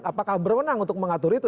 apakah berwenang untuk mengatur itu